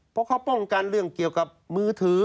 เพราะเขาป้องกันเรื่องเกี่ยวกับมือถือ